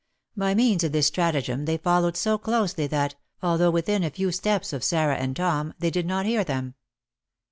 By means of this stratagem they followed so closely, that, although within a few steps of Sarah and Tom, they did not hear them.